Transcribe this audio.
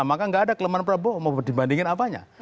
maka tidak ada kelemahan prabowo dibandingkan apanya